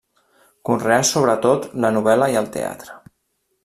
Conreà sobretot la novel·la i el teatre.